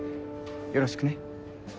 よろしくね。